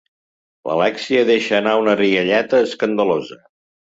L'Alèxia deixa anar una rialleta escandalosa.